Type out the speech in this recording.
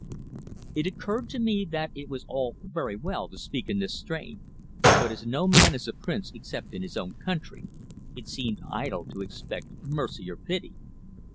It occurred to me that it was all very well to speak in this strain, but as no man is a prince except in his own country, it seemed idle to expect mercy or pity.